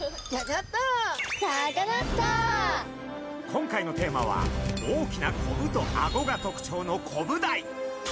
今回のテーマは、大きなこぶとあごが特徴のコブダイ。